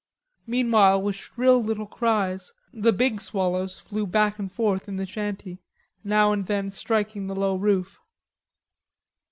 Meanwhile, with shrill little cries, the big swallows flew back and forth in the shanty, now and then striking the low roof.